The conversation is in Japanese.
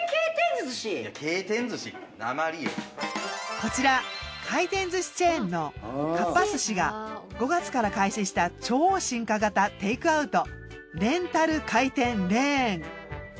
こちら回転寿司チェーンのかっぱ寿司が５月から開始した超進化型テイクアウト。